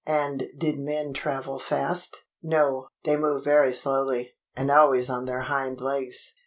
And did men travel fast? No; they moved very slowly, and always on their hind legs.